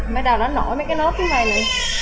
bắt đầu nó nổi mấy cái nốt như vầy nè